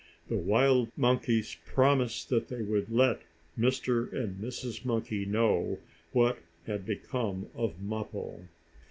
The wild monkeys promised that they would let Mr. and Mrs. Monkey know what had become of Mappo.